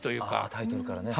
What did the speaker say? タイトルからね。